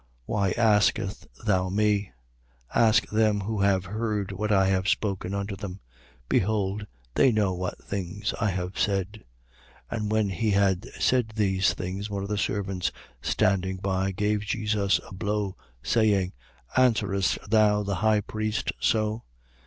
18:21. Why askest thou me? Ask them who have heard what I have spoken unto them. Behold they know what things I have said. 18:22. And when he had said these things, one of the servants standing by gave Jesus a blow, saying: Answerest thou the high priest so?